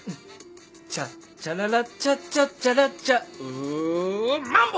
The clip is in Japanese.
「チャッチャララチャッチャッチャラッチャ」ウマンボ！